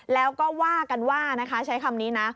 แล้วก็ว่ากันว่านะคะใช้คำนี้นะ